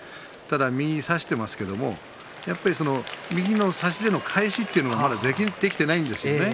右を差していますが、やはり右の差し手の返しというのがまだできていないんですね。